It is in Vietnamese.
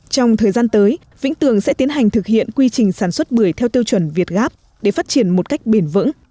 trong thời gian tới vĩnh tường sẽ tiến hành thực hiện quy trình sản xuất bưởi theo tiêu chuẩn việt gáp để phát triển một cách bền vững